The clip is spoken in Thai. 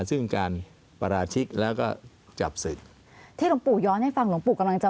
ซึ่งการปราชิกแล้วก็จับศึกที่หลวงปู่ย้อนให้ฟังหลวงปู่กำลังจะ